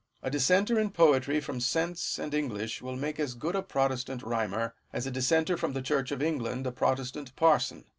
A dis senter in poetry from sense and English will make as good a Protestant rhymer, as a dissenter from the Church of England a Protestant parson.